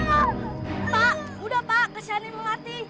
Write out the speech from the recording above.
pak udah pak kesianin melati